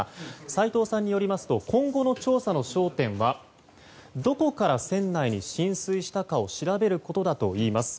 斎藤さんによりますと今後の調査の焦点はどこから船内に浸水したかを調べることだといいます。